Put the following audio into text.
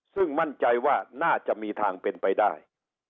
ซึ่งมั่นใจว่าน่าจะมีทางเป็นไปได้